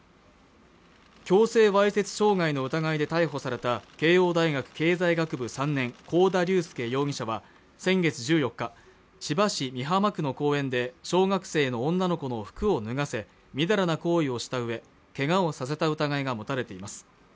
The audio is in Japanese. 強制わいせつ傷害の疑いで逮捕された慶応大学経済学部３年幸田龍祐容疑者は先月１４日千葉市美浜区の公園で小学生の女の子の服を脱がせみだらな行為をした上ケガをさせた疑いが持たれています